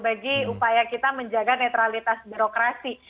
bagi upaya kita menjaga netralitas birokrasi